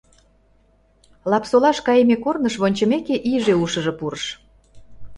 Лап-Солаш кайме корныш вончымеке иже ушыжо пурыш.